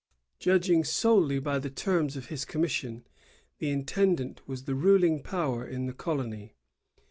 Judging solely by the terms of his commission, the intendant was the ruling power in the colony.